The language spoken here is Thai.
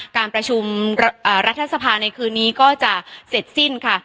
การประชุมรัฐสภาในคืนนี้ก็จะเสร็จสิ้นค่ะ